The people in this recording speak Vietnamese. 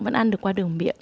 vẫn ăn được qua đường miệng